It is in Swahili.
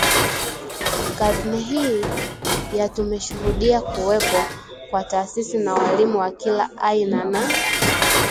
Karne hii ya tumeshuhudia kuwepo kwa taasisi na walimu wa kila aina na